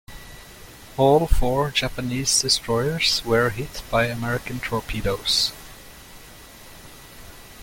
All four Japanese destroyers were hit by American torpedoes.